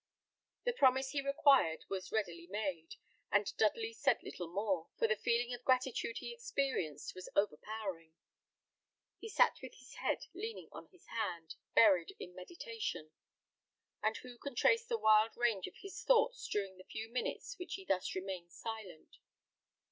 The promise he required was readily made; and Dudley said little more, for the feeling of gratitude he experienced was overpowering. He sat with his head leaning on his hand, buried in meditation; and who can trace the wild range of his thoughts during the few minutes which he thus remained silent.